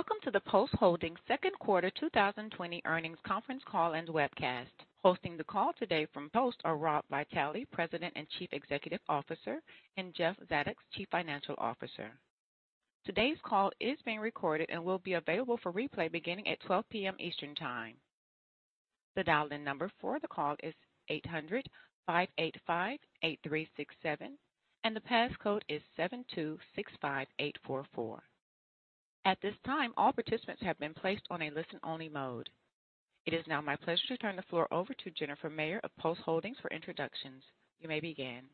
Welcome to the Post Holdings second quarter 2020 earnings conference call and webcast. Hosting the call today from Post are Rob Vitale, President and Chief Executive Officer, and Jeff Zadoks Chief Financial Officer. Today's call is being recorded and will be available for replay beginning at 12:00 P.M. Eastern Time. The dial-in number for the call is 800-585-8367, and the passcode is 7265844. At this time, all participants have been placed on a listen-only mode. It is now my pleasure to turn the floor over to Jennifer Meyer of Post Holdings for introductions. You may begin.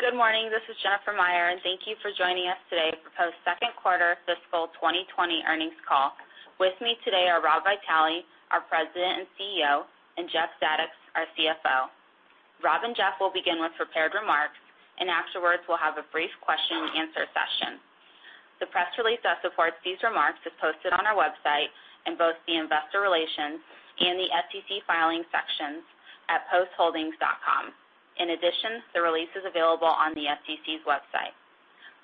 Good morning. This is Jennifer Meyer, thank you for joining us today for Post second quarter fiscal 2020 earnings call. With me today are Rob Vitale, our President and CEO, and Jeff Zadoks, our CFO. Rob and Jeff will begin with prepared remarks, afterwards, we'll have a brief question-and-answer session. The press release that supports these remarks is posted on our website in both the investor relations and the SEC filings sections at postholdings.com. In addition, the release is available on the SEC's website.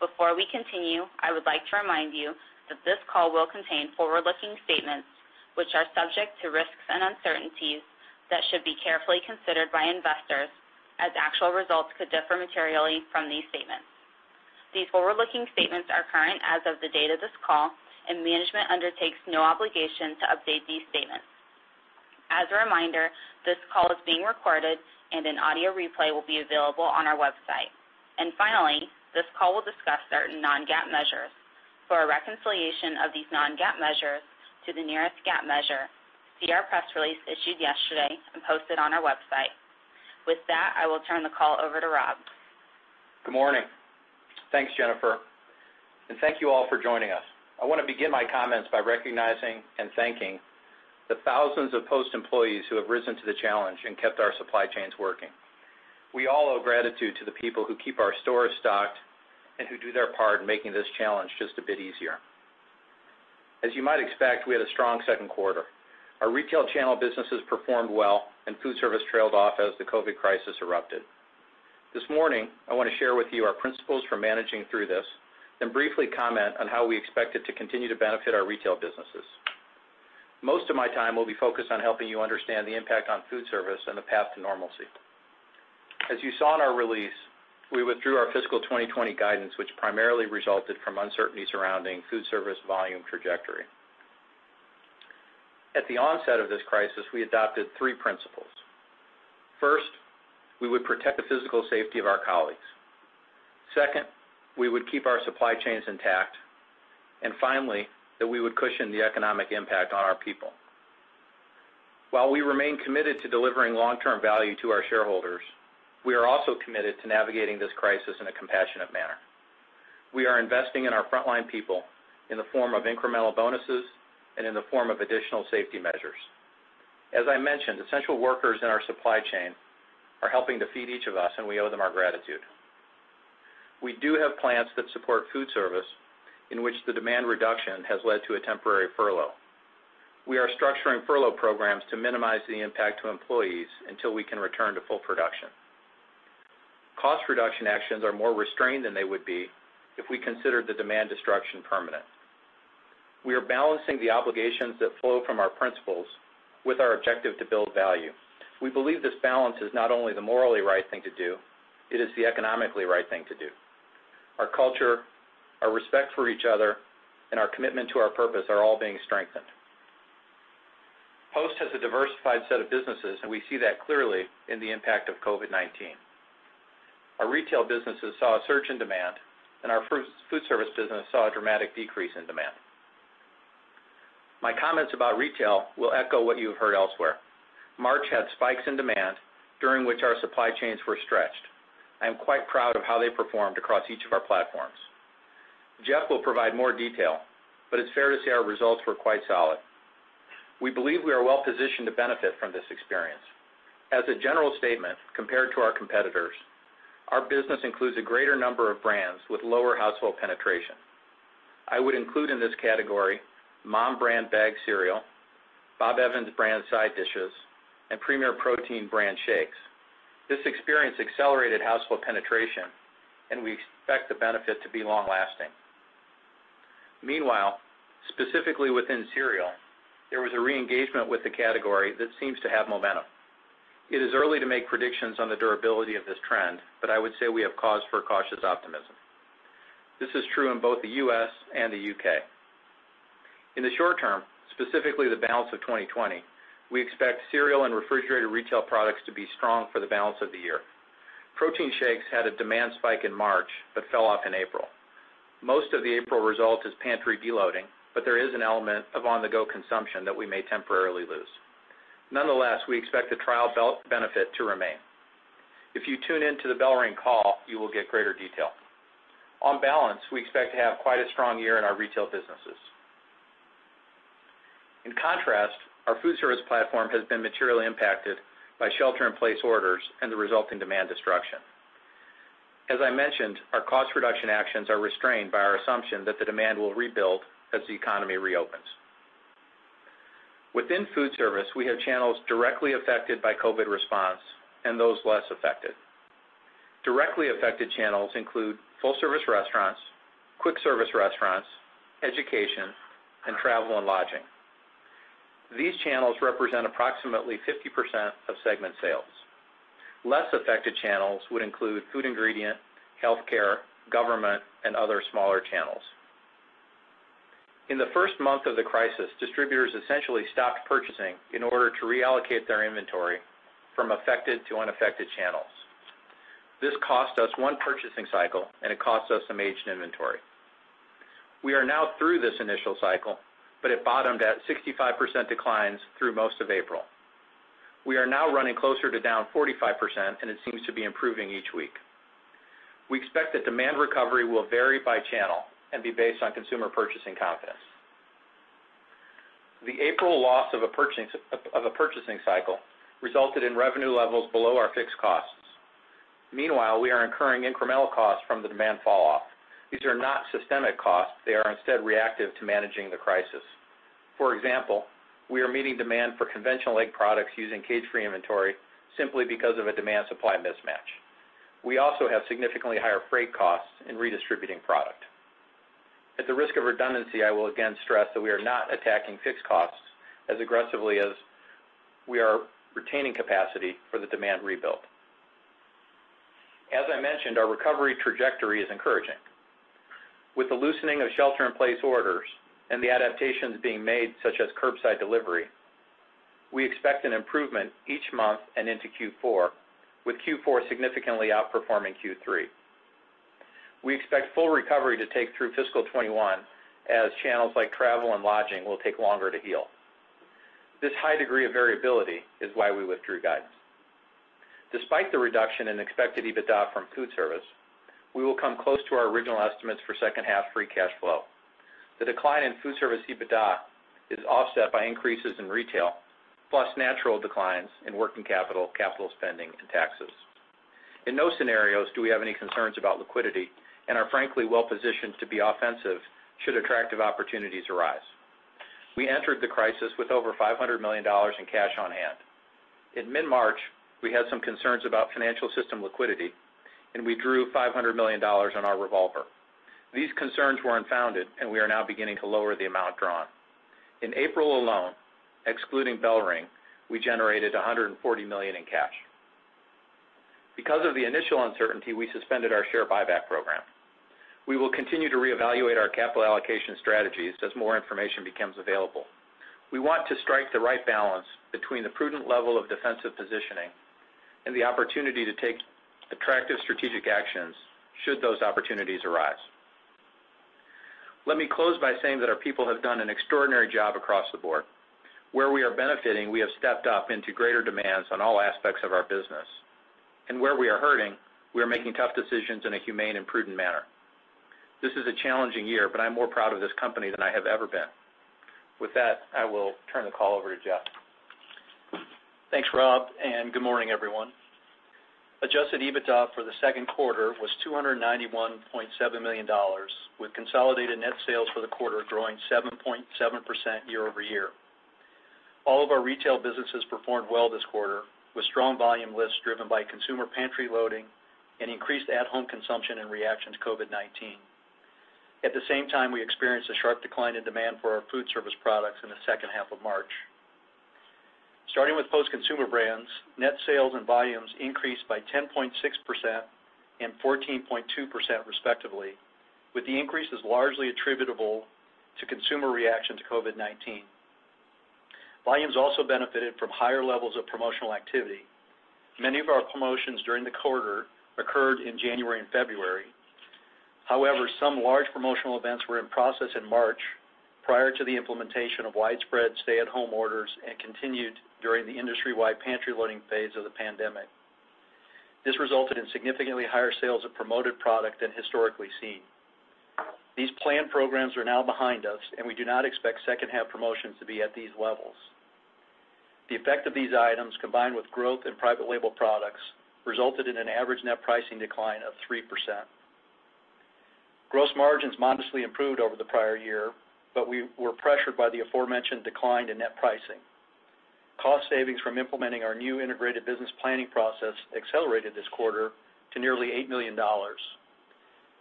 Before we continue, I would like to remind you that this call will contain forward-looking statements which are subject to risks and uncertainties that should be carefully considered by investors, as actual results could differ materially from these statements. These forward-looking statements are current as of the date of this call, management undertakes no obligation to update these statements. As a reminder, this call is being recorded and an audio replay will be available on our website. Finally, this call will discuss certain non-GAAP measures. For a reconciliation of these non-GAAP measures to the nearest GAAP measure, see our press release issued yesterday and posted on our website. With that, I will turn the call over to Rob. Good morning. Thanks, Jennifer. Thank you all for joining us. I want to begin my comments by recognizing and thanking the thousands of Post employees who have risen to the challenge and kept our supply chains working. We all owe gratitude to the people who keep our stores stocked and who do their part in making this challenge just a bit easier. As you might expect, we had a strong second quarter. Our retail channel businesses performed well, and food service trailed off as the COVID crisis erupted. This morning, I want to share with you our principles for managing through this, then briefly comment on how we expect it to continue to benefit our retail businesses. Most of my time will be focused on helping you understand the impact on food service and the path to normalcy. As you saw in our release, we withdrew our fiscal 2020 guidance, which primarily resulted from uncertainty surrounding food service volume trajectory. At the onset of this crisis, we adopted three principles. First, we would protect the physical safety of our colleagues. Second, we would keep our supply chains intact. Finally, that we would cushion the economic impact on our people. While we remain committed to delivering long-term value to our shareholders, we are also committed to navigating this crisis in a compassionate manner. We are investing in our frontline people in the form of incremental bonuses and in the form of additional safety measures. As I mentioned, essential workers in our supply chain are helping to feed each of us, and we owe them our gratitude. We do have plants that support food service, in which the demand reduction has led to a temporary furlough. We are structuring furlough programs to minimize the impact to employees until we can return to full production. Cost reduction actions are more restrained than they would be if we considered the demand destruction permanent. We are balancing the obligations that flow from our principles with our objective to build value. We believe this balance is not only the morally right thing to do, it is the economically right thing to do. Our culture, our respect for each other, and our commitment to our purpose are all being strengthened. Post has a diversified set of businesses, and we see that clearly in the impact of COVID-19. Our retail businesses saw a surge in demand, and our food service business saw a dramatic decrease in demand. My comments about retail will echo what you have heard elsewhere. March had spikes in demand, during which our supply chains were stretched. I am quite proud of how they performed across each of our platforms. Jeff will provide more detail, but it's fair to say our results were quite solid. We believe we are well positioned to benefit from this experience. As a general statement, compared to our competitors, our business includes a greater number of brands with lower household penetration. I would include in this category Mom's Best brand bagged cereal, Bob Evans brand side dishes, and Premier Protein brand shakes. This experience accelerated household penetration, and we expect the benefit to be long-lasting. Meanwhile, specifically within cereal, there was a re-engagement with the category that seems to have momentum. It is early to make predictions on the durability of this trend, but I would say we have cause for cautious optimism. This is true in both the U.S. and the U.K. In the short term, specifically the balance of 2020, we expect cereal and refrigerated retail products to be strong for the balance of the year. Protein shakes had a demand spike in March but fell off in April. Most of the April result is pantry de-loading, but there is an element of on-the-go consumption that we may temporarily lose. Nonetheless, we expect the trial benefit to remain. If you tune into the BellRing call, you will get greater detail. On balance, we expect to have quite a strong year in our retail businesses. In contrast, our food service platform has been materially impacted by shelter in place orders and the resulting demand destruction. As I mentioned, our cost reduction actions are restrained by our assumption that the demand will rebuild as the economy reopens. Within food service, we have channels directly affected by COVID response and those less affected. Directly affected channels include full-service restaurants, quick-service restaurants, education, and travel and lodging. These channels represent approximately 50% of segment sales. Less affected channels would include food ingredient, healthcare, government, and other smaller channels. In the first month of the crisis, distributors essentially stopped purchasing in order to reallocate their inventory from affected to unaffected channels. This cost us one purchasing cycle, and it cost us some aged inventory. We are now through this initial cycle, but it bottomed at 65% declines through most of April. We are now running closer to down 45%, and it seems to be improving each week. We expect that demand recovery will vary by channel and be based on consumer purchasing confidence. The April loss of a purchasing cycle resulted in revenue levels below our fixed costs. Meanwhile, we are incurring incremental costs from the demand falloff. These are not systemic costs. They are instead reactive to managing the crisis. For example, we are meeting demand for conventional egg products using cage-free inventory simply because of a demand supply mismatch. We also have significantly higher freight costs in redistributing product. At the risk of redundancy, I will again stress that we are not attacking fixed costs as aggressively as we are retaining capacity for the demand rebuild. As I mentioned, our recovery trajectory is encouraging. With the loosening of shelter in place orders and the adaptations being made, such as curbside delivery, we expect an improvement each month and into Q4, with Q4 significantly outperforming Q3. We expect full recovery to take through fiscal 2021 as channels like travel and lodging will take longer to heal. This high degree of variability is why we withdrew guidance. Despite the reduction in expected EBITDA from food service, we will come close to our original estimates for second half free cash flow. The decline in food service EBITDA is offset by increases in retail, plus natural declines in working capital spending and taxes. In no scenarios do we have any concerns about liquidity and are frankly well positioned to be offensive should attractive opportunities arise. We entered the crisis with over $500 million in cash on hand. In mid-March, we had some concerns about financial system liquidity, and we drew $500 million on our revolver. These concerns were unfounded, and we are now beginning to lower the amount drawn. In April alone, excluding BellRing, we generated $140 million in cash. Because of the initial uncertainty, we suspended our share buyback program. We will continue to reevaluate our capital allocation strategies as more information becomes available. We want to strike the right balance between the prudent level of defensive positioning and the opportunity to take attractive strategic actions should those opportunities arise. Let me close by saying that our people have done an extraordinary job across the board. Where we are benefiting, we have stepped up into greater demands on all aspects of our business. Where we are hurting, we are making tough decisions in a humane and prudent manner. This is a challenging year. I'm more proud of this company than I have ever been. With that, I will turn the call over to Jeff. Thanks, Rob. Good morning, everyone. Adjusted EBITDA for the second quarter was $291.7 million, with consolidated net sales for the quarter growing 7.7% year-over-year. All of our retail businesses performed well this quarter, with strong volume lifts driven by consumer pantry loading and increased at-home consumption in reaction to COVID-19. At the same time, we experienced a sharp decline in demand for our food service products in the second half of March. Starting with Post Consumer Brands, net sales and volumes increased by 10.6% and 14.2% respectively, with the increases largely attributable to consumer reaction to COVID-19. Volumes also benefited from higher levels of promotional activity. Many of our promotions during the quarter occurred in January and February. Some large promotional events were in process in March prior to the implementation of widespread stay-at-home orders and continued during the industry-wide pantry loading phase of the pandemic. This resulted in significantly higher sales of promoted product than historically seen. These planned programs are now behind us, and we do not expect second half promotions to be at these levels. The effect of these items, combined with growth in private label products, resulted in an average net pricing decline of 3%. Gross margins modestly improved over the prior year, but we were pressured by the aforementioned decline in net pricing. Cost savings from implementing our new Integrated Business Planning process accelerated this quarter to nearly $8 million.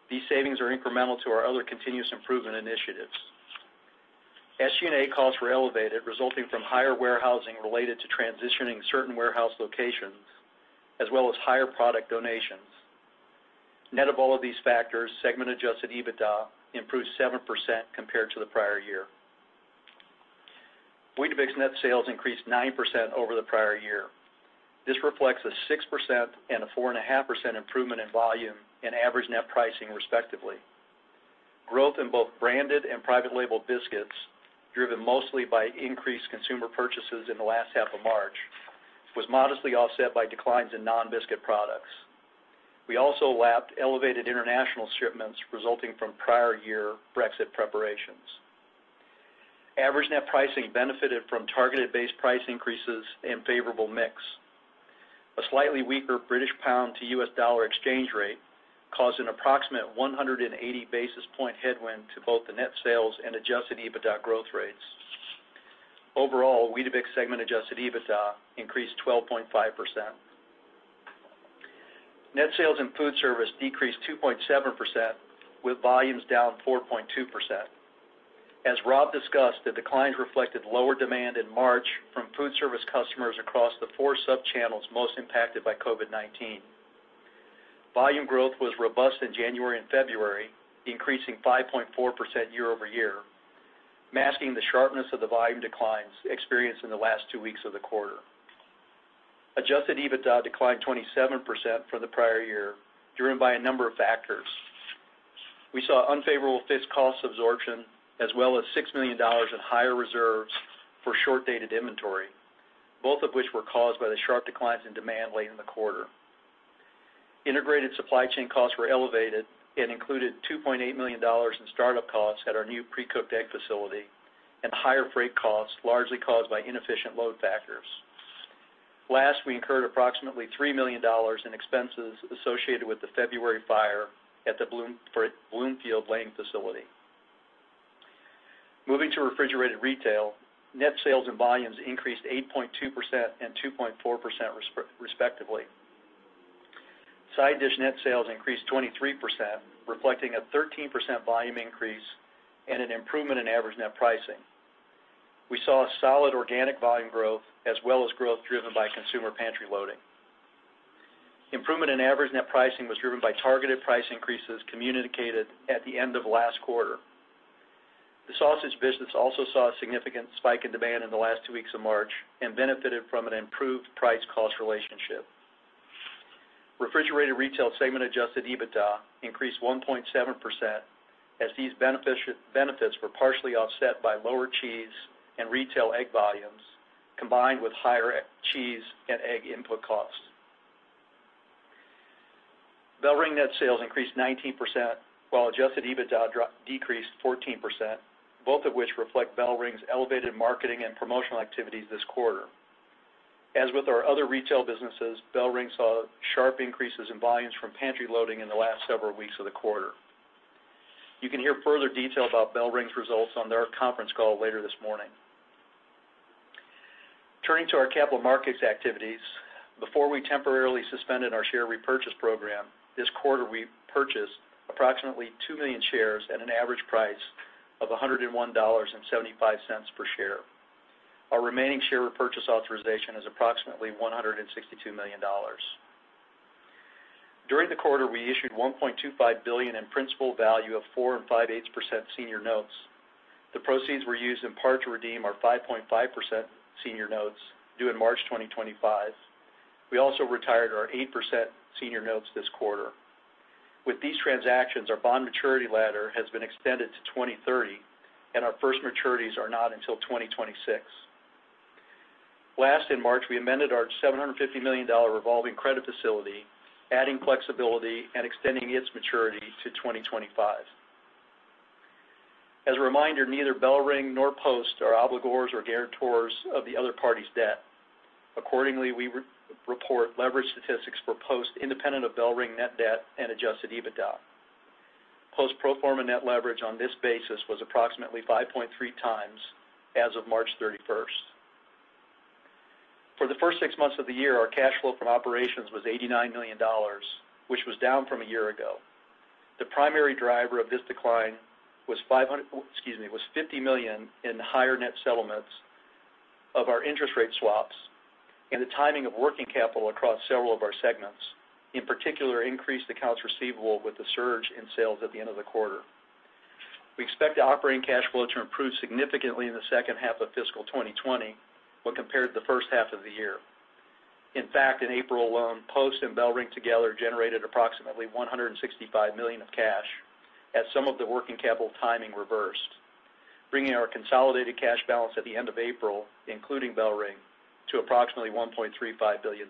These savings are incremental to our other continuous improvement initiatives. SG&A costs were elevated, resulting from higher warehousing related to transitioning certain warehouse locations, as well as higher product donations. Net of all of these factors, segment Adjusted EBITDA improved 7% compared to the prior year. Keebler's net sales increased 9% over the prior year. This reflects a 6% and a 4.5% improvement in volume and average net pricing, respectively. Growth in both branded and private label biscuits, driven mostly by increased consumer purchases in the last half of March, was modestly offset by declines in non-biscuit products. We also lapped elevated international shipments resulting from prior year Brexit preparations. Average net pricing benefited from targeted base price increases and favorable mix. A slightly weaker British pound to U.S. dollar exchange rate caused an approximate 180 basis point headwind to both the net sales and Adjusted EBITDA growth rates. Overall, Weetabix segment Adjusted EBITDA increased 12.5%. Net sales in food service decreased 2.7%, with volumes down 4.2%. As Rob discussed, the declines reflected lower demand in March from food service customers across the four sub-channels most impacted by COVID-19. Volume growth was robust in January and February, increasing 5.4% year-over-year, masking the sharpness of the volume declines experienced in the last two weeks of the quarter. Adjusted EBITDA declined 27% for the prior year, driven by a number of factors. We saw unfavorable fixed cost absorption, as well as $6 million in higher reserves for short-dated inventory, both of which were caused by the sharp declines in demand late in the quarter. Integrated supply chain costs were elevated and included $2.8 million in startup costs at our new pre-cooked egg facility and higher freight costs, largely caused by inefficient load factors. Last, we incurred approximately $3 million in expenses associated with the February fire at the Bloomfield plant facility. Moving to refrigerated retail, net sales and volumes increased 8.2% and 2.4%, respectively. Side dish net sales increased 23%, reflecting a 13% volume increase and an improvement in average net pricing. We saw a solid organic volume growth as well as growth driven by consumer pantry loading. Improvement in average net pricing was driven by targeted price increases communicated at the end of last quarter. The sausage business also saw a significant spike in demand in the last two weeks of March and benefited from an improved price-cost relationship. Refrigerated retail segment Adjusted EBITDA increased 1.7%, as these benefits were partially offset by lower cheese and retail egg volumes, combined with higher cheese and egg input costs. BellRing net sales increased 19%, while Adjusted EBITDA decreased 14%, both of which reflect BellRing's elevated marketing and promotional activities this quarter. As with our other retail businesses, BellRing saw sharp increases in volumes from pantry loading in the last several weeks of the quarter. You can hear further detail about BellRing's results on their conference call later this morning. Turning to our capital markets activities, before we temporarily suspended our share repurchase program, this quarter, we purchased approximately 2 million shares at an average price of $101.75 per share. Our remaining share repurchase authorization is approximately $162 million. During the quarter, we issued $1.25 billion in principal value of 4 5/8% senior notes. The proceeds were used in part to redeem our 5.5% senior notes due in March 2025. We also retired our 8% senior notes this quarter. With these transactions, our bond maturity ladder has been extended to 2030, and our first maturities are not until 2026. Last, in March, we amended our $750 million revolving credit facility, adding flexibility and extending its maturity to 2025. As a reminder, neither BellRing nor Post are obligors or guarantors of the other party's debt. Accordingly, we report leverage statistics for Post independent of BellRing net debt and Adjusted EBITDA. Post pro forma net leverage on this basis was approximately 5.3 times as of March 31st. For the first six months of the year, our cash flow from operations was $89 million, which was down from a year ago. The primary driver of this decline was $50 million in higher net settlements of our interest rate swaps and the timing of working capital across several of our segments, in particular, increased accounts receivable with the surge in sales at the end of the quarter. We expect operating cash flow to improve significantly in the second half of fiscal 2020 when compared to the first half of the year. In fact, in April alone, Post and BellRing together generated approximately $165 million of cash as some of the working capital timing reversed, bringing our consolidated cash balance at the end of April, including BellRing, to approximately $1.35 billion.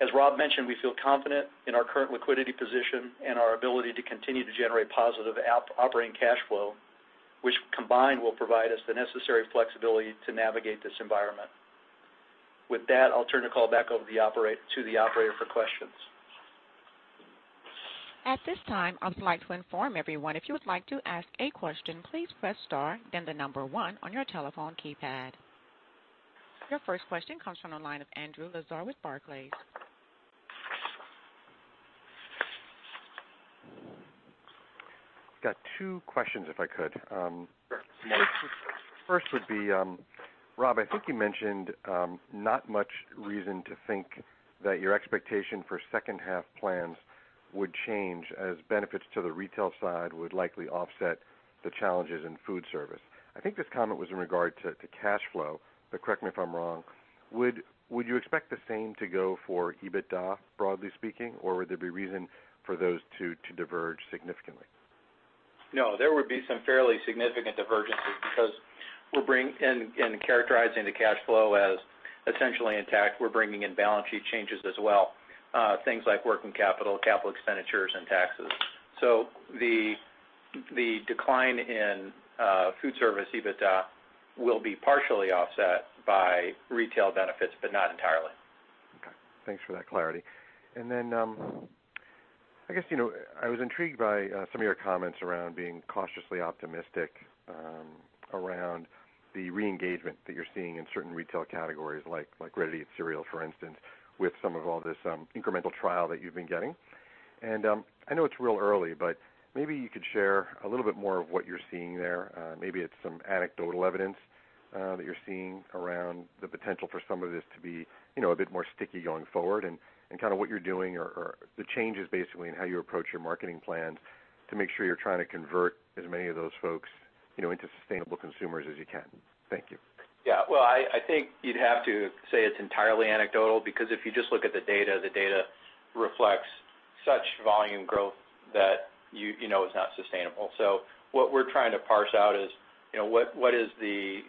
As Rob mentioned, we feel confident in our current liquidity position and our ability to continue to generate positive operating cash flow, which combined will provide us the necessary flexibility to navigate this environment. With that, I'll turn the call back over to the operator for questions. At this time, I would like to inform everyone if you would like to ask a question, please press star then the number one on your telephone keypad. Your first question comes from the line of Andrew Lazar with Barclays. Got two questions, if I could. Sure. First would be, Rob, I think you mentioned not much reason to think that your expectation for second half plans would change as benefits to the retail side would likely offset the challenges in food service. I think this comment was in regard to cash flow, but correct me if I'm wrong. Would you expect the same to go for EBITDA, broadly speaking, or would there be reason for those two to diverge significantly? There would be some fairly significant divergences because in characterizing the cash flow as essentially intact, we're bringing in balance sheet changes as well. Things like working capital expenditures, and taxes. The decline in food service EBITDA will be partially offset by retail benefits, but not entirely. Okay. Thanks for that clarity. I was intrigued by some of your comments around being cautiously optimistic around the re-engagement that you're seeing in certain retail categories like ready-to-eat cereal, for instance, with some of all this incremental trial that you've been getting. I know it's real early, but maybe you could share a little bit more of what you're seeing there. Maybe it's some anecdotal evidence that you're seeing around the potential for some of this to be a bit more sticky going forward and, what you're doing or the changes basically in how you approach your marketing plans to make sure you're trying to convert as many of those folks into sustainable consumers as you can. Thank you. Well, I think you'd have to say it's entirely anecdotal, because if you just look at the data, the data reflects such volume growth that you know it's not sustainable. What we're trying to parse out is, what is the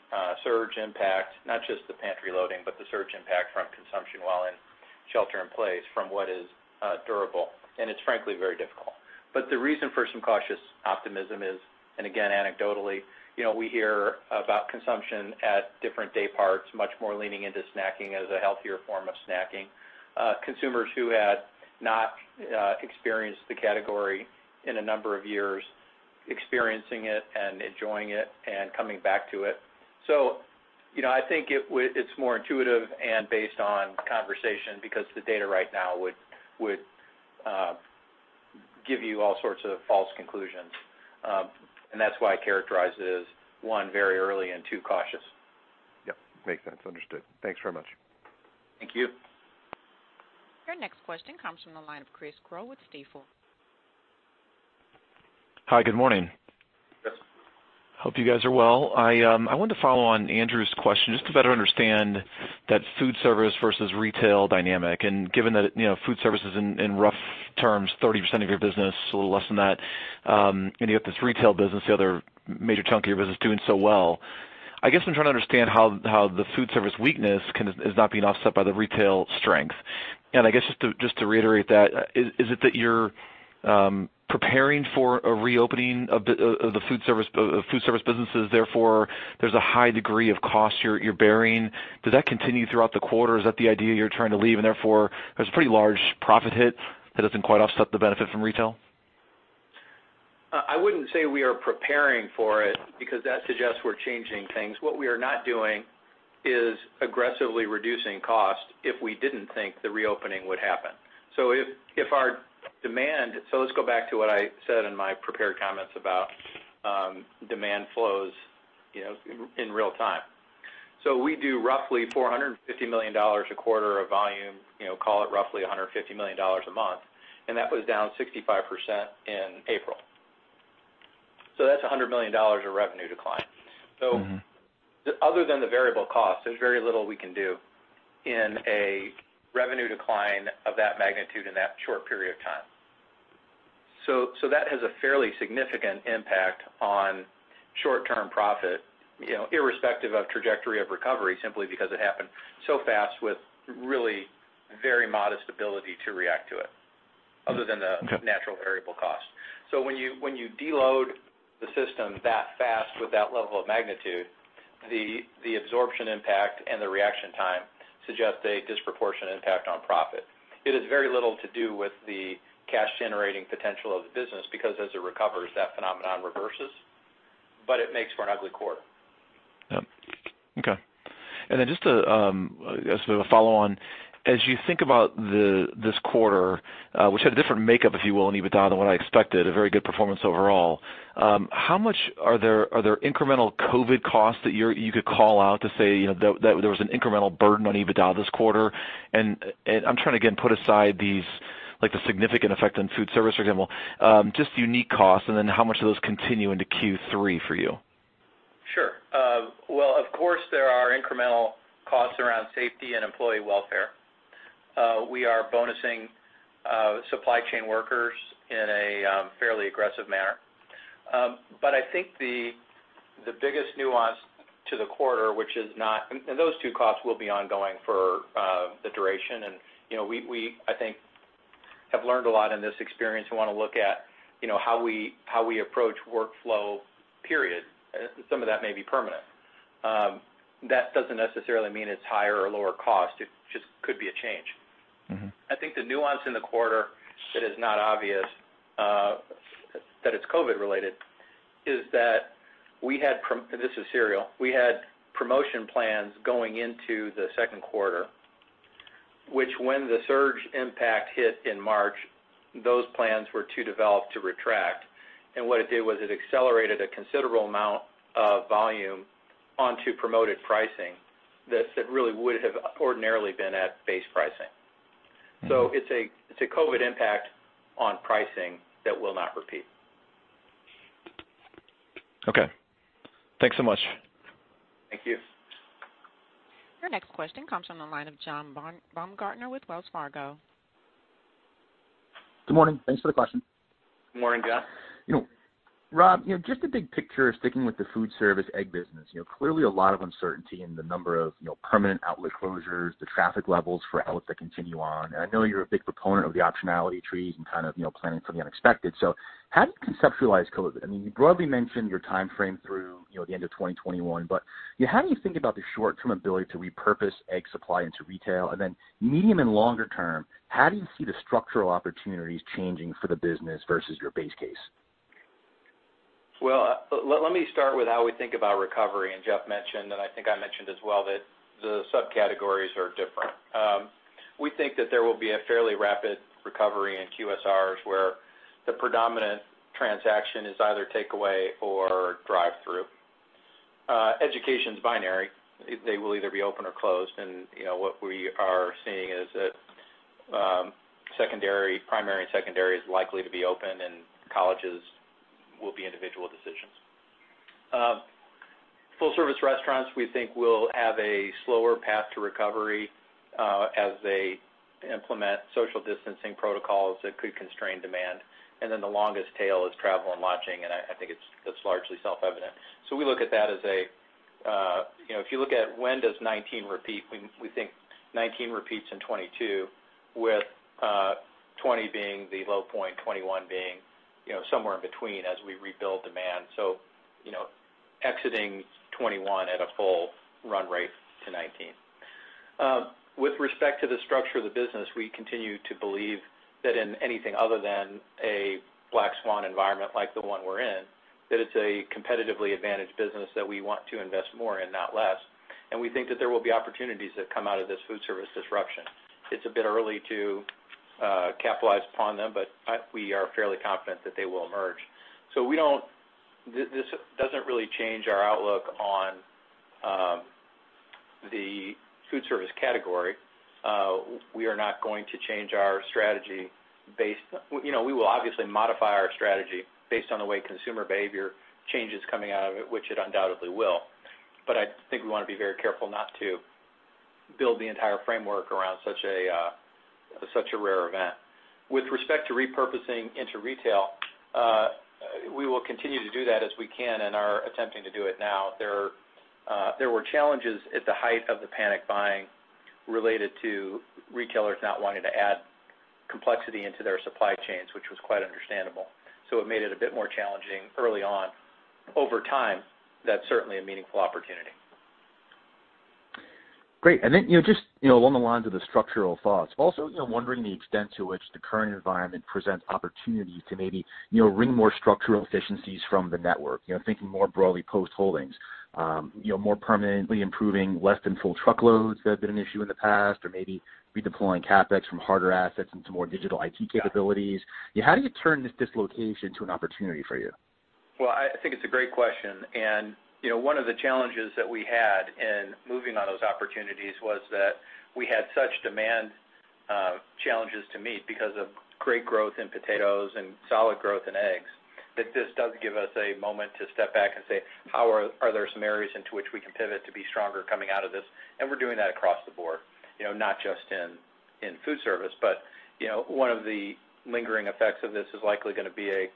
surge impact, not just the pantry loading, but the surge impact from consumption while in shelter in place from what is durable, and it's frankly very difficult. The reason for some cautious optimism is, and again, anecdotally, we hear about consumption at different day parts, much more leaning into snacking as a healthier form of snacking, consumers who had not experienced the category in a number of years, experiencing it and enjoying it and coming back to it. I think it's more intuitive and based on conversation because the data right now would give you all sorts of false conclusions. That's why I characterize it as, one, very early, and two, cautious. Yep, makes sense. Understood. Thanks very much. Thank you. Your next question comes from the line of Chris Growe with Stifel. Hi, good morning. Yes. Hope you guys are well. I wanted to follow on Andrew's question just to better understand that food service versus retail dynamic, and given that food service is, in rough terms, 30% of your business, a little less than that, and you have this retail business, the other major chunk of your business, doing so well. I guess I'm trying to understand how the food service weakness is not being offset by the retail strength. I guess just to reiterate that, is it that you're preparing for a reopening of the food service businesses, therefore, there's a high degree of cost you're bearing? Does that continue throughout the quarter? Is that the idea you're trying to leave, and therefore, there's a pretty large profit hit that doesn't quite offset the benefit from retail? I wouldn't say we are preparing for it because that suggests we're changing things. What we are not doing is aggressively reducing cost if we didn't think the reopening would happen. Let's go back to what I said in my prepared comments about demand flows in real time. We do roughly $450 million a quarter of volume, call it roughly $150 million a month, and that was down 65% in April. That's $100 million of revenue decline. Other than the variable cost, there's very little we can do in a revenue decline of that magnitude in that short period of time. That has a fairly significant impact on short-term profit, irrespective of trajectory of recovery, simply because it happened so fast with really very modest ability to react to it. Okay Natural variable cost. When you de-load the system that fast with that level of magnitude, the absorption impact and the reaction time suggest a disproportionate impact on profit. It has very little to do with the cash-generating potential of the business, because as it recovers, that phenomenon reverses. It makes for an ugly quarter. Yep. Okay. Then just as a follow-on, as you think about this quarter, which had a different makeup, if you will, in EBITDA than what I expected, a very good performance overall. How much are there incremental COVID-19 costs that you could call out to say that there was an incremental burden on EBITDA this quarter? I'm trying to, again, put aside these, like, the significant effect on food service, for example, just unique costs, then how much do those continue into Q3 for you? Sure. Well, of course, there are incremental costs around safety and employee welfare. We are bonusing supply chain workers in a fairly aggressive manner. I think the biggest nuance to the quarter, and those two costs will be ongoing for the duration, and we, I think, have learned a lot in this experience. We want to look at how we approach workflow, period. Some of that may be permanent. That doesn't necessarily mean it's higher or lower cost. It just could be a change. I think the nuance in the quarter that is not obvious, that it's COVID related, is that we had, and this is cereal, we had promotion plans going into the second quarter, which when the surge impact hit in March, those plans were too developed to retract. What it did was it accelerated a considerable amount of volume onto promoted pricing that really would have ordinarily been at base pricing. It's a COVID impact on pricing that will not repeat. Okay. Thanks so much. Thank you. Your next question comes from the line of John Baumgartner with Wells Fargo. Good morning. Thanks for the question. Good morning, Jeff. Rob, just the big picture, sticking with the food service egg business. Clearly a lot of uncertainty in the number of permanent outlet closures, the traffic levels for outlets that continue on. I know you're a big proponent of the optionality trees and kind of planning for the unexpected. How do you conceptualize COVID? You broadly mentioned your timeframe through the end of 2021, how do you think about the short-term ability to repurpose egg supply into retail? Medium and longer term, how do you see the structural opportunities changing for the business versus your base case? Well, let me start with how we think about recovery. Jeff mentioned, and I think I mentioned as well, that the subcategories are different. We think that there will be a fairly rapid recovery in QSRs, where the predominant transaction is either takeaway or drive-through. Education's binary. They will either be open or closed. What we are seeing is that primary and secondary is likely to be open and colleges will be individual decisions. Full service restaurants, we think will have a slower path to recovery, as they implement social distancing protocols that could constrain demand. The longest tail is travel and lodging, and I think that's largely self-evident. We look at that. If you look at when does 2019 repeat, we think 2019 repeats in 2022 with 2020 being the low point, 2021 being somewhere in between as we rebuild demand. Exiting 2021 at a full run rate to 2019. With respect to the structure of the business, we continue to believe that in anything other than a black swan environment like the one we're in, that it's a competitively advantaged business that we want to invest more in, not less. We think that there will be opportunities that come out of this food service disruption. It's a bit early to capitalize upon them, but we are fairly confident that they will emerge. This doesn't really change our outlook on the food service category. We are not going to change our strategy. We will obviously modify our strategy based on the way consumer behavior changes coming out of it, which it undoubtedly will. I think we want to be very careful not to build the entire framework around such a rare event. With respect to repurposing into retail, we will continue to do that as we can and are attempting to do it now. There were challenges at the height of the panic buying related to retailers not wanting to add complexity into their supply chains, which was quite understandable. It made it a bit more challenging early on. Over time, that's certainly a meaningful opportunity. Great. Just along the lines of the structural thoughts, also wondering the extent to which the current environment presents opportunity to maybe wring more structural efficiencies from the network, thinking more broadly Post Holdings, more permanently improving less than full truckloads that have been an issue in the past, or maybe redeploying CapEx from harder assets into more digital IT capabilities. How do you turn this dislocation to an opportunity for you? Well, I think it's a great question, and one of the challenges that we had in moving on those opportunities was that we had such demand challenges to meet because of great growth in potatoes and solid growth in eggs. This does give us a moment to step back and say, "Are there some areas into which we can pivot to be stronger coming out of this?" We're doing that across the board, not just in food service. One of the lingering effects of this is likely going to be a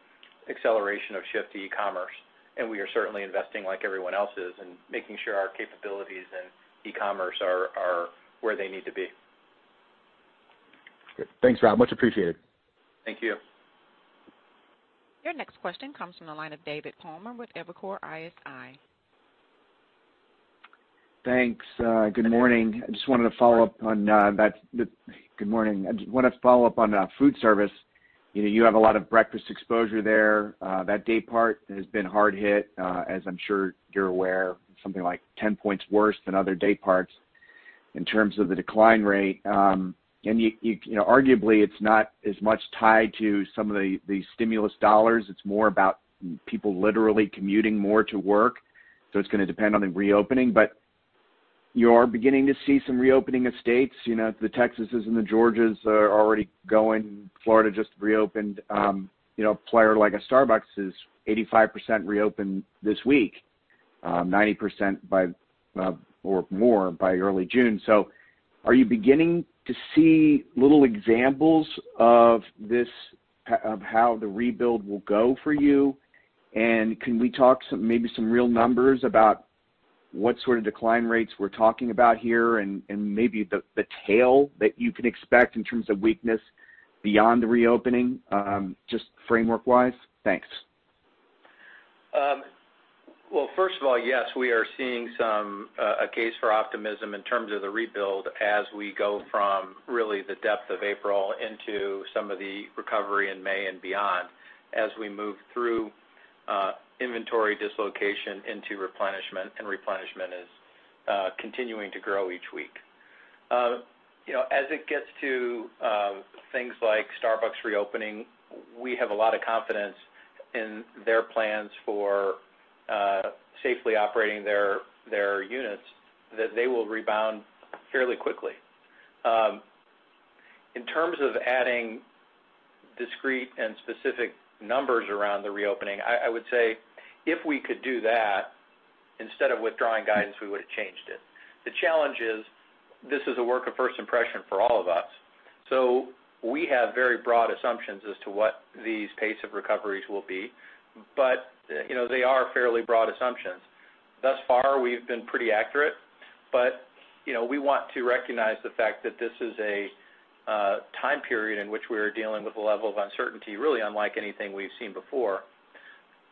acceleration of shift to e-commerce, and we are certainly investing like everyone else is and making sure our capabilities in e-commerce are where they need to be. Good. Thanks, Rob. Much appreciated. Thank you. Your next question comes from the line of David Palmer with Evercore ISI. Thanks. Good morning. I just wanted to follow up on food service. You have a lot of breakfast exposure there. That daypart has been hard hit, as I'm sure you're aware. Something like 10 points worse than other dayparts in terms of the decline rate. Arguably, it's not as much tied to some of the stimulus dollars. It's more about people literally commuting more to work. It's going to depend on the reopening. You are beginning to see some reopening of states. The Texas' and the Georgia's are already going. Florida just reopened. A player like a Starbucks is 85% reopened this week, 90% or more by early June. Are you beginning to see little examples of how the rebuild will go for you? Can we talk maybe some real numbers about what sort of decline rates we're talking about here and maybe the tail that you can expect in terms of weakness beyond the reopening, just framework-wise? Thanks. Well, first of all, yes, we are seeing a case for optimism in terms of the rebuild as we go from really the depth of April into some of the recovery in May and beyond, as we move through inventory dislocation into replenishment, and replenishment is continuing to grow each week. As it gets to things like Starbucks reopening, we have a lot of confidence in their plans for safely operating their units, that they will rebound fairly quickly. In terms of adding discrete and specific numbers around the reopening, I would say if we could do that, instead of withdrawing guidance, we would have changed it. The challenge is, this is a work of first impression for all of us. We have very broad assumptions as to what these pace of recoveries will be. They are fairly broad assumptions. Thus far, we've been pretty accurate, but we want to recognize the fact that this is a time period in which we are dealing with a level of uncertainty, really unlike anything we've seen before,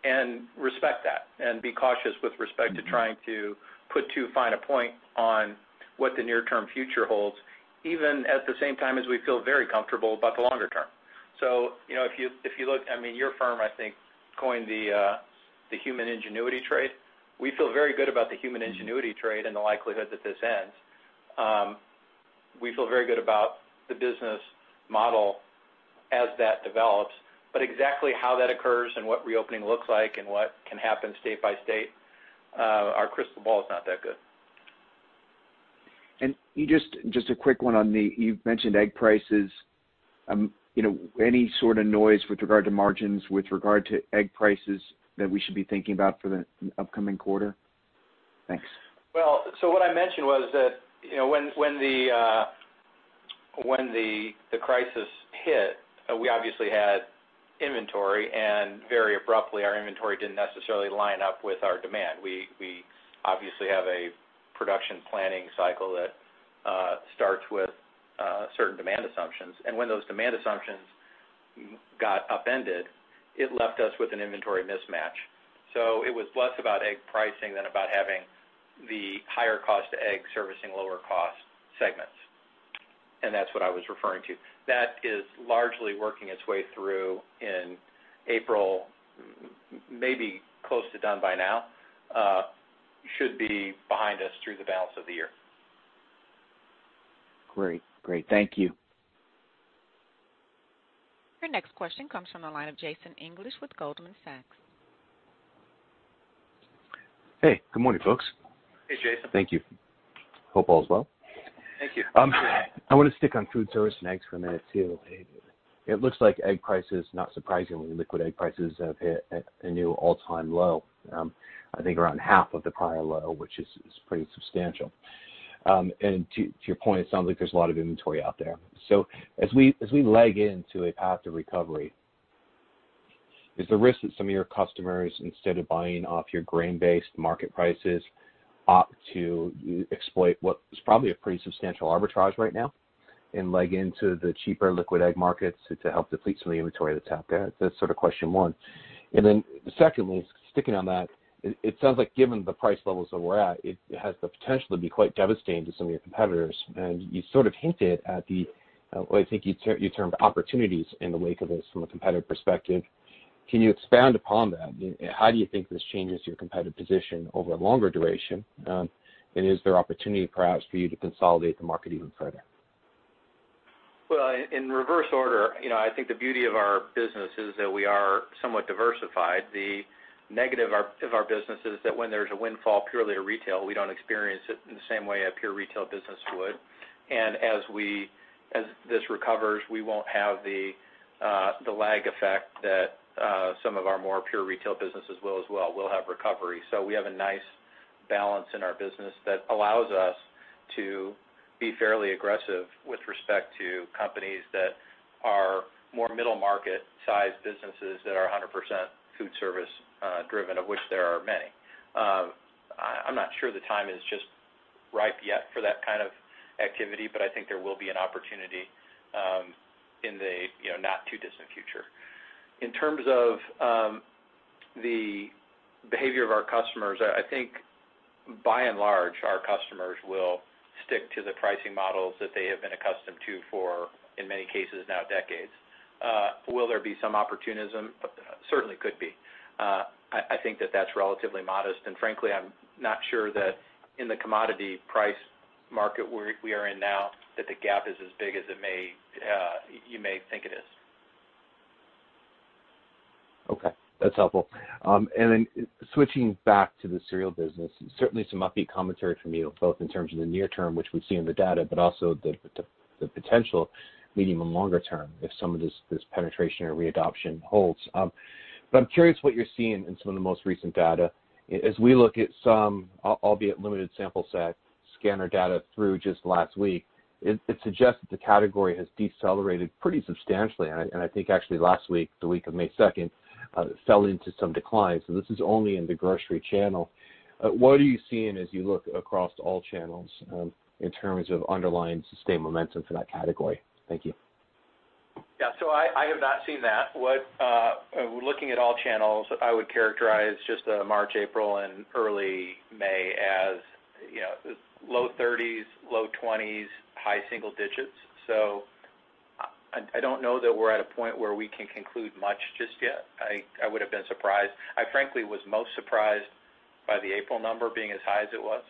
and respect that, and be cautious with respect to trying to put too fine a point on what the near-term future holds, even at the same time as we feel very comfortable about the longer term. If you look, your firm, I think, coined the human ingenuity trade. We feel very good about the human ingenuity trade and the likelihood that this ends. We feel very good about the business model as that develops, but exactly how that occurs and what reopening looks like and what can happen state by state, our crystal ball is not that good. Just a quick one. You've mentioned egg prices. Any sort of noise with regard to margins, with regard to egg prices that we should be thinking about for the upcoming quarter? Thanks. What I mentioned was that when the crisis hit, we obviously had inventory, and very abruptly, our inventory didn't necessarily line up with our demand. We obviously have a production planning cycle that starts with certain demand assumptions. When those demand assumptions got upended, it left us with an inventory mismatch. It was less about egg pricing than about having the higher cost of eggs servicing lower cost segments. That's what I was referring to. That is largely working its way through in April, maybe close to done by now. Should be behind us through the balance of the year. Great. Thank you. Your next question comes from the line of Jason English with Goldman Sachs. Hey, good morning, folks. Hey, Jason. Thank you. Hope all is well. Thank you. I want to stick on foodservice and eggs for a minute too. It looks like egg prices, not surprisingly, liquid egg prices have hit a new all-time low. I think around half of the prior low, which is pretty substantial. To your point, it sounds like there's a lot of inventory out there. As we leg into a path to recovery, is the risk that some of your customers, instead of buying off your grain-based market prices, opt to exploit what is probably a pretty substantial arbitrage right now and leg into the cheaper liquid egg markets to help deplete some of the inventory that's out there? That's question one. Secondly, sticking on that, it sounds like given the price levels that we're at, it has the potential to be quite devastating to some of your competitors. You sort of hinted at the, well, I think you termed opportunities in the wake of this from a competitive perspective. Can you expand upon that? How do you think this changes your competitive position over a longer duration? Is there opportunity perhaps for you to consolidate the market even further? In reverse order, I think the beauty of our business is that we are somewhat diversified. The negative of our business is that when there's a windfall purely to retail, we don't experience it in the same way a pure retail business would. As this recovers, we won't have the lag effect that some of our more pure retail businesses will as well. We'll have recovery. We have a nice balance in our business that allows us to be fairly aggressive with respect to companies that are more middle market size businesses that are 100% food service driven, of which there are many. I'm not sure the time is just ripe yet for that kind of activity, but I think there will be an opportunity in the not too distant future. In terms of the behavior of our customers, I think by and large, our customers will stick to the pricing models that they have been accustomed to for, in many cases, now decades. Will there be some opportunism? Certainly could be. I think that that's relatively modest, and frankly, I'm not sure that in the commodity price market where we are in now, that the gap is as big as you may think it is. Okay, that's helpful. Then switching back to the cereal business, certainly some upbeat commentary from you, both in terms of the near term, which we see in the data, but also the potential medium and longer term if some of this penetration or re-adoption holds I'm curious what you're seeing in some of the most recent data. As we look at some, albeit limited sample set, scanner data through just last week, it suggests that the category has decelerated pretty substantially, and I think actually last week, the week of May 2nd, fell into some declines. This is only in the grocery channel. What are you seeing as you look across all channels in terms of underlying sustained momentum for that category? Thank you. Yeah. I have not seen that. We're looking at all channels. I would characterize just March, April, and early May as low 30s, low 20s, high single digits. I don't know that we're at a point where we can conclude much just yet. I would've been surprised. I frankly was most surprised by the April number being as high as it was.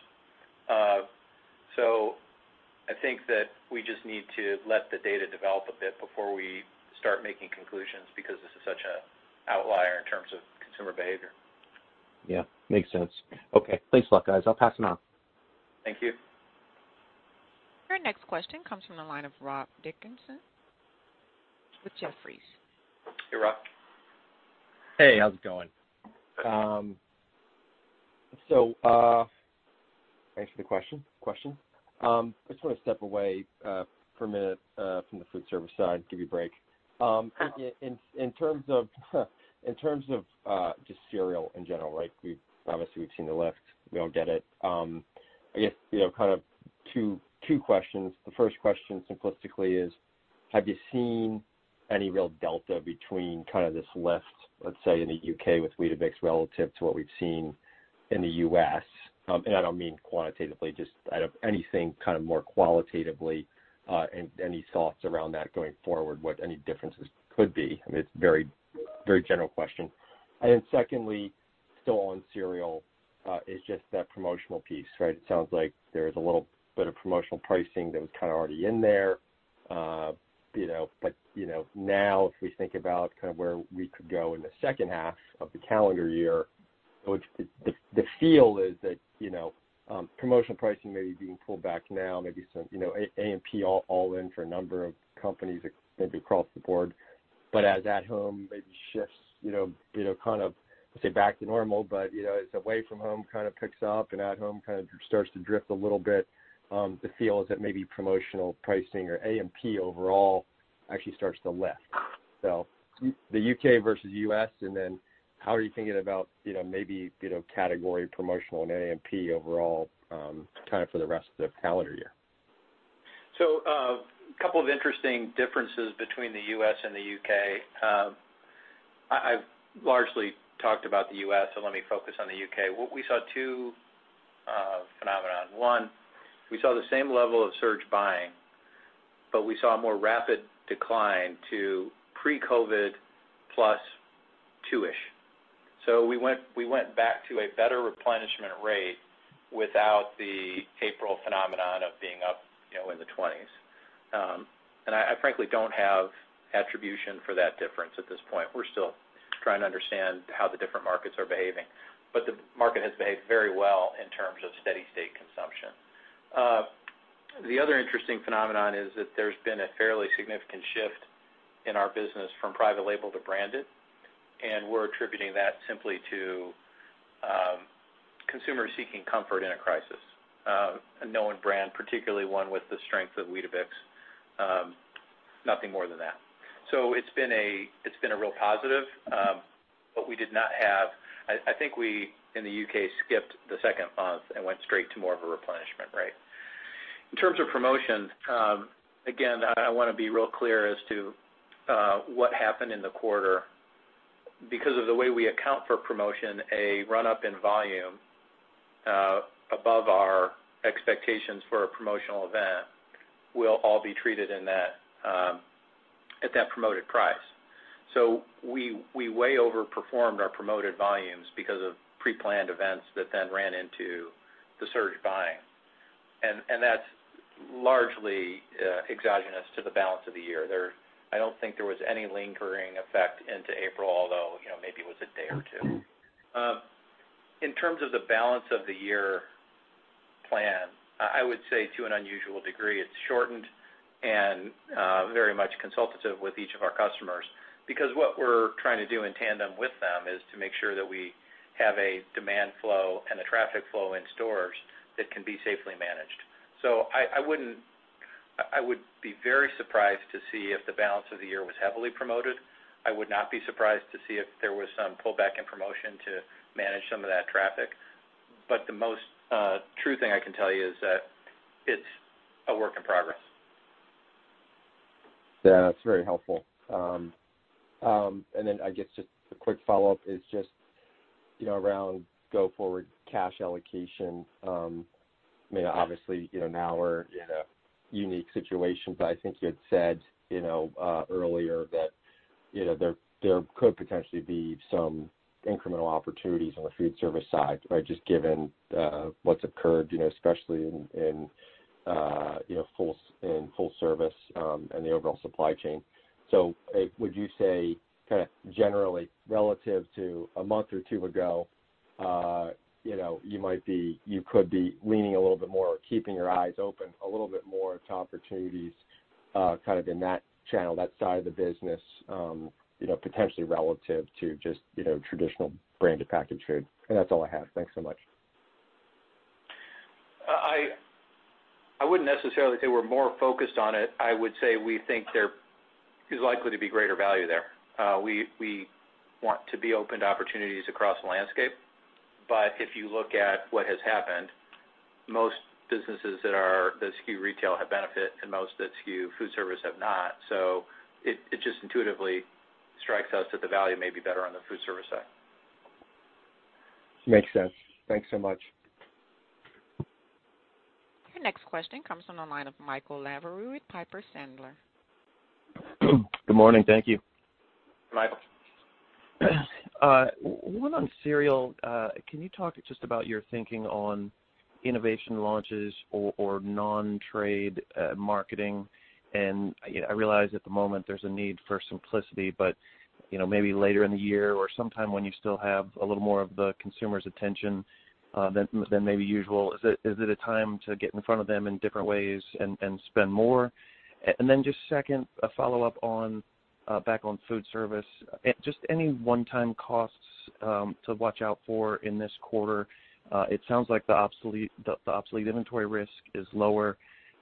I think that we just need to let the data develop a bit before we start making conclusions because this is such an outlier in terms of consumer behavior. Yeah, makes sense. Okay, thanks a lot, guys. I'll pass them off. Thank you. Your next question comes from the line of Rob Dickerson with Jefferies. Hey, Rob. Hey, how's it going? Thanks for the question. I just want to step away for a minute from the food service side, give you a break. In terms of just cereal in general, obviously we've seen the list. We all get it. I guess, kind of two questions. The first question simplistically is, have you seen any real delta between this list, let's say, in the U.K. with Weetabix relative to what we've seen in the U.S.? I don't mean quantitatively, just anything more qualitatively, and any thoughts around that going forward, what any differences could be? I mean, it's a very general question. Secondly, still on cereal, is just that promotional piece, right? It sounds like there's a little bit of promotional pricing that was kind of already in there. Now if we think about where we could go in the second half of the calendar year, the feel is that promotional pricing may be being pulled back now, maybe some A&P falling for a number of companies maybe across the board. As at home maybe shifts, I won't say back to normal, but as away from home kind of picks up and at home kind of starts to drift a little bit, the feel is that maybe promotional pricing or A&P overall actually starts to lift. The U.K. versus U.S., and then how are you thinking about maybe category promotional and A&P overall for the rest of the calendar year? A couple of interesting differences between the U.S. and the U.K. I've largely talked about the U.S., let me focus on the U.K. What we saw two phenomenon. One, we saw the same level of surge buying, we saw a more rapid decline to pre-COVID plus two-ish. We went back to a better replenishment rate without the April phenomenon of being up in the 20s. I frankly don't have attribution for that difference at this point. We're still trying to understand how the different markets are behaving, the market has behaved very well in terms of steady state consumption. The other interesting phenomenon is that there's been a fairly significant shift in our business from private label to branded, we're attributing that simply to consumers seeking comfort in a crisis, a known brand, particularly one with the strength of Weetabix. Nothing more than that. It's been a real positive. I think we, in the U.K., skipped the second month and went straight to more of a replenishment rate. In terms of promotion, again, I want to be real clear as to what happened in the quarter. Because of the way we account for promotion, a run-up in volume above our expectations for a promotional event will all be treated at that promoted price. We way overperformed our promoted volumes because of pre-planned events that then ran into the surge buying, and that's largely exogenous to the balance of the year. I don't think there was any lingering effect into April, although, maybe it was a day or two. In terms of the balance of the year plan, I would say to an unusual degree, it's shortened and very much consultative with each of our customers because what we're trying to do in tandem with them is to make sure that we have a demand flow and a traffic flow in stores that can be safely managed. I would be very surprised to see if the balance of the year was heavily promoted. I would not be surprised to see if there was some pullback in promotion to manage some of that traffic. The most true thing I can tell you is that it's a work in progress. Yeah, that's very helpful. Then I guess just a quick follow-up is just around go forward cash allocation. Obviously, now we're in a unique situation, but I think you had said earlier that there could potentially be some incremental opportunities on the food service side, right? Just given what's occurred, especially in full service and the overall supply chain. Would you say kind of generally relative to a month or two ago, you could be leaning a little bit more or keeping your eyes open a little bit more to opportunities kind of in that channel, that side of the business, potentially relative to just traditional branded packaged food? That's all I have. Thanks so much. I wouldn't necessarily say we're more focused on it. I would say we think there is likely to be greater value there. We want to be open to opportunities across the landscape, but if you look at what has happened, most businesses that skew retail have benefited and most that skew food service have not. It just intuitively strikes us that the value may be better on the food service side. Makes sense. Thanks so much. Your next question comes on the line of Michael Lavery with Piper Sandler. Good morning. Thank you. Michael. One on cereal. Can you talk just about your thinking on innovation launches or non-trade marketing? I realize at the moment there's a need for simplicity, but maybe later in the year or sometime when you still have a little more of the consumer's attention than maybe usual, is it a time to get in front of them in different ways and spend more? Just second, a follow-up on food service, just any one-time costs to watch out for in this quarter? It sounds like the obsolete inventory risk is lower.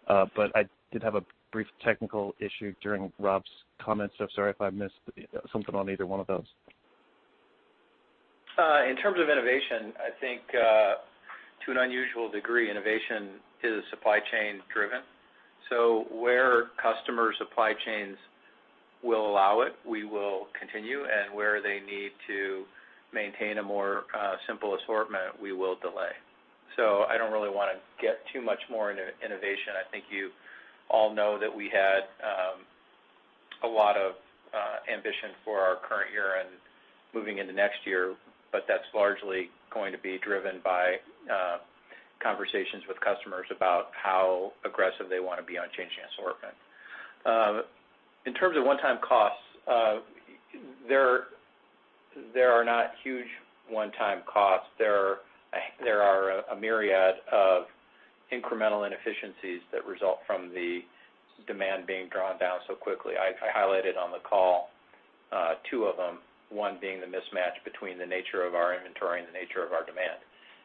I did have a brief technical issue during Rob's comments, so sorry if I missed something on either one of those. In terms of innovation, I think to an unusual degree, innovation is supply chain driven. Where customer supply chains will allow it, we will continue, and where they need to maintain a more simple assortment, we will delay. I don't really want to get too much more into innovation. I think you all know that we had a lot of ambition for our current year and moving into next year, but that's largely going to be driven by conversations with customers about how aggressive they want to be on changing assortment. In terms of one-time costs, there are not huge one-time costs. There are a myriad of incremental inefficiencies that result from the demand being drawn down so quickly. I highlighted on the call two of them, one being the mismatch between the nature of our inventory and the nature of our demand,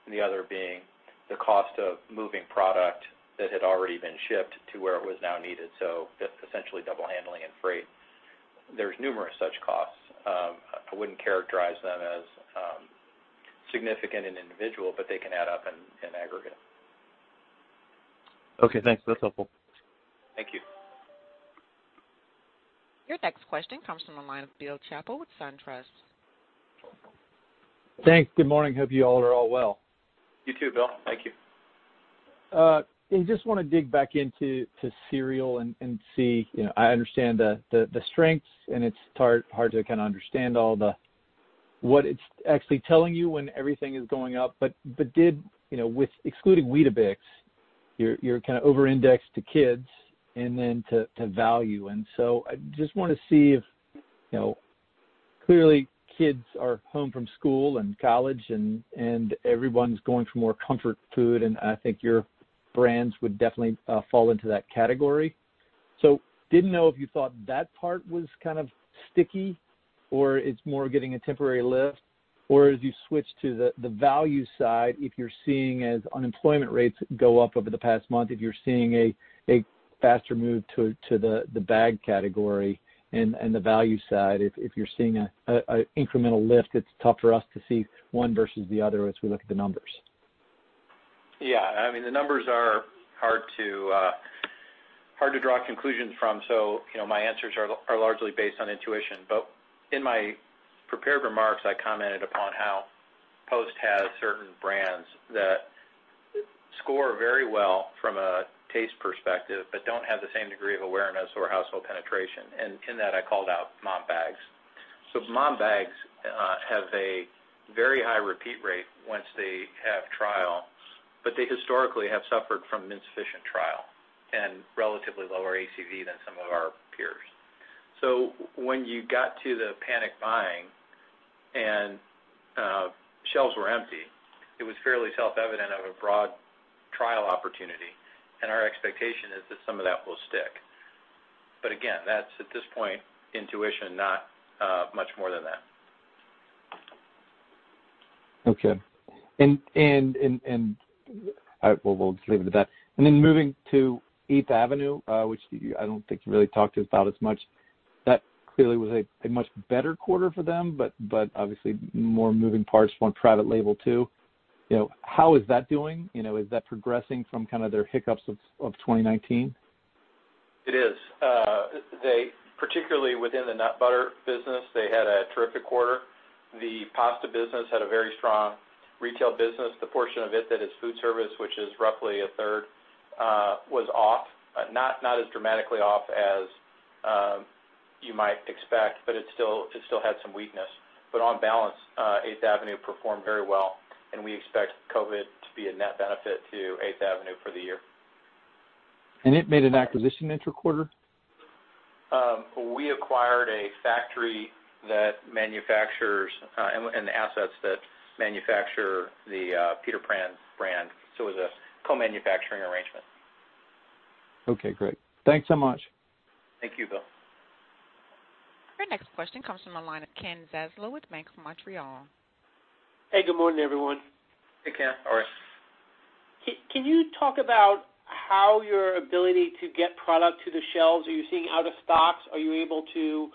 and the other being the cost of moving product that had already been shipped to where it was now needed. Essentially double handling and freight. There's numerous such costs. I wouldn't characterize them as significant and individual, but they can add up in aggregate. Okay, thanks. That's helpful. Thank you. Your next question comes from the line of Bill Chappell with SunTrust. Thanks. Good morning. Hope you all are well. You too, Bill. Thank you. Just want to dig back into cereal and see, I understand the strengths, and it's hard to kind of understand what it's actually telling you when everything is going up. Excluding Weetabix, you're kind of over-indexed to kids and then to value. I just want to see if, clearly kids are home from school and college and everyone's going for more comfort food, and I think your brands would definitely fall into that category. Didn't know if you thought that part was kind of sticky or it's more getting a temporary lift, or as you switch to the value side, if you're seeing, as unemployment rates go up over the past month, if you're seeing a faster move to the bag category and the value side, if you're seeing an incremental lift. It's tough for us to see one versus the other as we look at the numbers. Yeah, the numbers are hard to draw conclusions from, so my answers are largely based on intuition. In my prepared remarks, I commented upon how Post has certain brands that score very well from a taste perspective, but don't have the same degree of awareness or household penetration, and in that, I called out Mom's Best. Mom's Best have a very high repeat rate once they have trial, but they historically have suffered from insufficient trial and relatively lower ACV than some of our peers. When you got to the panic buying and shelves were empty, it was fairly self-evident of a broad trial opportunity, and our expectation is that some of that will stick. Again, that's, at this point, intuition, not much more than that. Okay. We'll just leave it at that. Moving to 8th Avenue, which I don't think you really talked about as much, that clearly was a much better quarter for them, but obviously more moving parts, more private label too. How is that doing? Is that progressing from their hiccups of 2019? It is. Particularly within the nut butter business, they had a terrific quarter. The pasta business had a very strong retail business. The portion of it that is food service, which is roughly a third, was off. Not as dramatically off as you might expect, but it still had some weakness. On balance, 8th Avenue performed very well, and we expect COVID to be a net benefit to 8th Avenue for the year. It made an acquisition inter-quarter? We acquired a factory and the assets that manufacture the Peter Pan brand. It was a co-manufacturing arrangement. Okay, great. Thanks so much. Thank you, Bill. Your next question comes from the line of Ken Zaslow with Bank of Montreal. Hey, good morning, everyone. Hey, Ken. How are you? Can you talk about how your ability to get product to the shelves, are you seeing out of stocks? Are you able to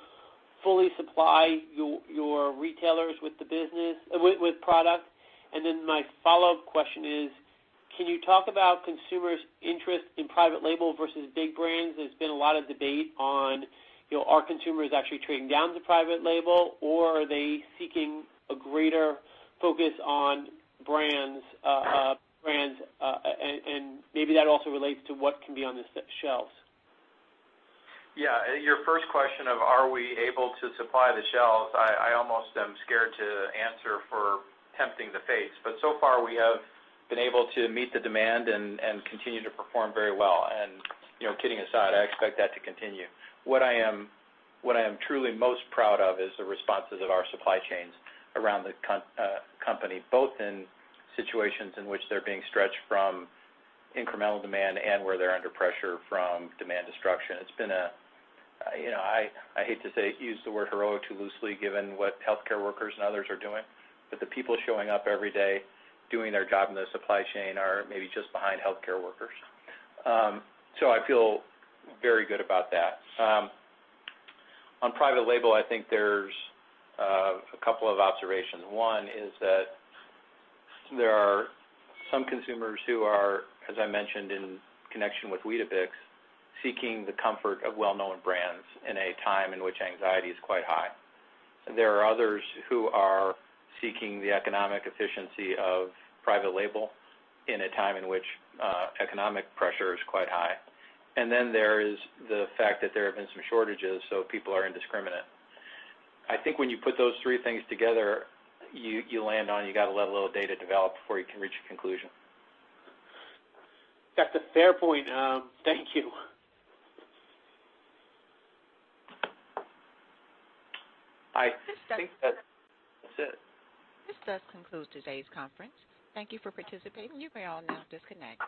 fully supply your retailers with product? Then my follow-up question is, can you talk about consumers' interest in private label versus big brands? There's been a lot of debate on, are consumers actually trading down to private label, or are they seeking a greater focus on brands? Maybe that also relates to what can be on the shelves. Your first question of are we able to supply the shelves, I almost am scared to answer for tempting the fates. So far, we have been able to meet the demand and continue to perform very well. Kidding aside, I expect that to continue. What I am truly most proud of is the responses of our supply chains around the company, both in situations in which they're being stretched from incremental demand and where they're under pressure from demand destruction. I hate to use the word heroic too loosely given what healthcare workers and others are doing, but the people showing up every day doing their job in the supply chain are maybe just behind healthcare workers. I feel very good about that. On private label, I think there's a couple of observations. One is that there are some consumers who are, as I mentioned in connection with Weetabix, seeking the comfort of well-known brands in a time in which anxiety is quite high. There are others who are seeking the economic efficiency of private label in a time in which economic pressure is quite high. Then there is the fact that there have been some shortages, so people are indiscriminate. I think when you put those three things together, you land on you got to let a little data develop before you can reach a conclusion. That's a fair point. Thank you. I think that's it. This does conclude today's conference. Thank you for participating. You may all now disconnect.